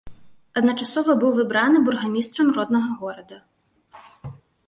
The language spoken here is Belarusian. Адначасова быў выбраны бургамістрам роднага горада.